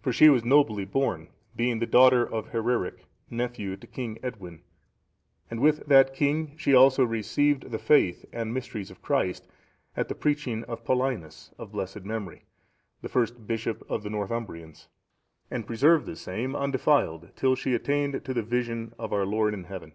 For she was nobly born, being the daughter of Hereric,(683) nephew to King Edwin, and with that king she also received the faith and mysteries of Christ, at the preaching of Paulinus, of blessed memory,(684) the first bishop of the Northumbrians, and preserved the same undefiled till she attained to the vision of our Lord in Heaven.